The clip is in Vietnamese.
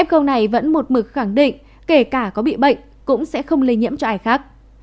hai khâu này vẫn một mực khẳng định kể cả có bị bệnh cũng sẽ không lây nhiễm cho ai khác